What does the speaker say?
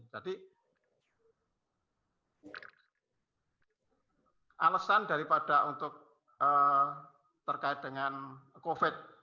jadi alasan daripada untuk terkait dengan covid